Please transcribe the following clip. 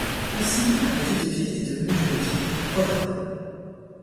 En six mois la petite fille était devenue jeune fille; voilà tout.